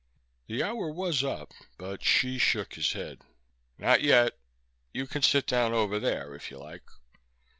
The hour was up but Hsi shook his head. "Not yet. You can sit down over there if you like."